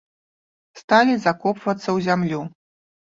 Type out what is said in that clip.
Сталі закопвацца ў зямлю.